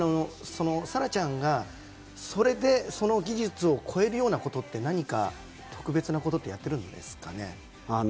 沙羅ちゃんがそれでその技術を超えるようなことって何か特別なことってやってるんですかね？